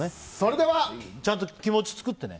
ちゃんと気持ち作ってね。